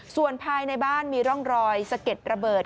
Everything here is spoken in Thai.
ส่วนภายในบ้านมีร่องรอยสะเก็ดระเบิด